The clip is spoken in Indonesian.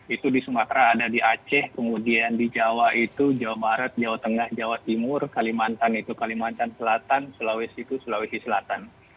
itu di sumatera ada di aceh kemudian di jawa itu jawa barat jawa tengah jawa timur kalimantan itu kalimantan selatan sulawesi itu sulawesi selatan